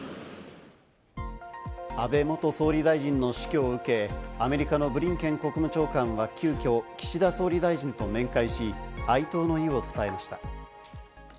安倍元総理大臣の死去を受け、アメリカのブリンケン国務長官は急きょ岸田総理大臣と面会し、哀悼の意を伝えました。